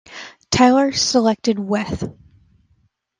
Tyler selected Wyeth.